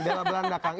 bella belanda kang